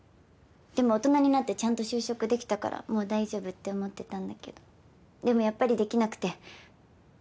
でも大人になってちゃんと就職できたからもう大丈夫って思ってたんだけどでもやっぱりできなくて。